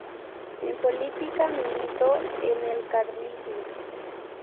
En política militó en el carlismo.